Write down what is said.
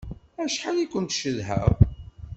Acḥal i kent-cedhaɣ!